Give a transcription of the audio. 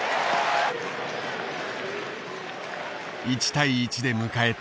１対１で迎えた